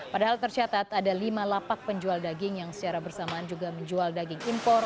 padahal tercatat ada lima lapak penjual daging yang secara bersamaan juga menjual daging impor